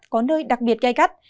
có nơi đặc biệt gai gắt